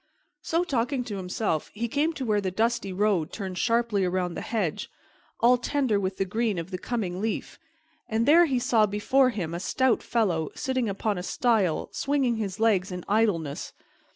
So, talking to himself, he came to where the dusty road turned sharply around the hedge, all tender with the green of the coming leaf, and there he saw before him a stout fellow sitting upon a stile, swinging his legs in idleness.